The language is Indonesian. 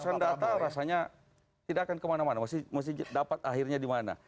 kalau kita perbosankan data rasanya tidak akan kemana mana mesti dapat akhirnya dimana